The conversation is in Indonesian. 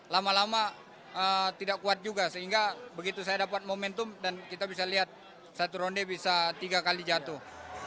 lama lama tidak kuat juga sehingga begitu saya dapat momentum dan kita bisa lihat satu ronde bisa tiga kali jatuh